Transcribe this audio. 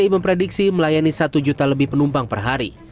memprediksi melayani satu juta lebih penumpang per hari